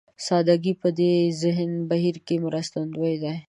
سادهګي په دې ذهني بهير کې مرستندوی دی.